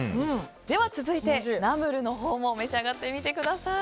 では続いてナムルのほうも召し上がってみてください。